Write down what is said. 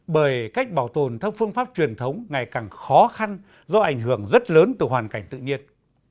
bởi cách bảo tồn theo phương pháp truyền thống ngày càng khó khăn do ảnh hưởng rất lớn từ hoàn cảnh tự nhiên